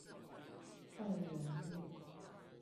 二仁路